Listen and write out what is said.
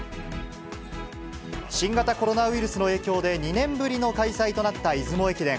新型コロナウイルスの影響で、２年ぶりの開催となった出雲駅伝。